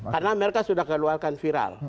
karena mereka sudah keluarkan viral